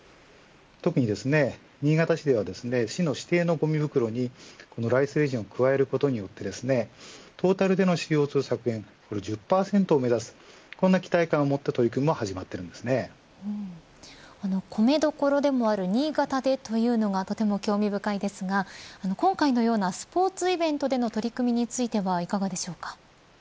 特にですね、新潟市では市の指定のごみ袋にこのライスレジンを加えることによってトータルでのＣＯ２削減１０％を目指すこんな期待感を持った取り組みも米どころでもある新潟でというのがとても興味深いですが今回のようなスポーツイベントでの取り組みについてはいかがでしょうか。